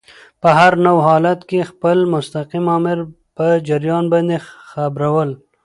په هر نوع حالت کي خپل مستقیم آمر په جریان باندي خبرول.